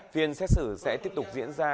viên xét xử sẽ tiếp tục diễn ra